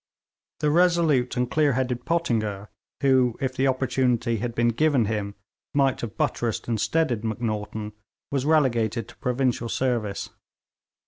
The resolute and clear headed Pottinger, who, if the opportunity had been given him, might have buttressed and steadied Macnaghten, was relegated to provincial service.